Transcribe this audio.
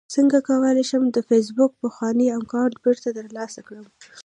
څنګه کولی شم د فېسبوک پخوانی اکاونټ بیرته ترلاسه کړم